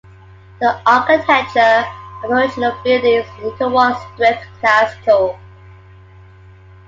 The architecture of the original building is "interwar stripped classical".